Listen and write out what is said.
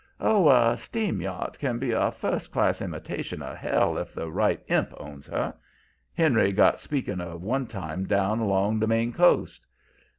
Oh, a steam yacht can be a first class imitation of hell if the right imp owns her. Henry got speaking of one time down along the Maine coast.